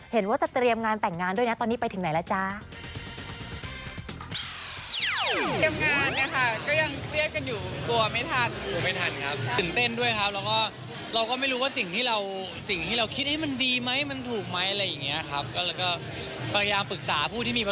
เห็นว่าจะเตรียมงานแต่งงานด้วยนะตอนนี้ไปถึงไหนแล้วจ้า